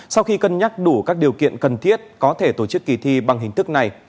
sau khi cân nhắc đủ các điều kiện cần thiết có thể tổ chức kỳ thi bằng hình thức này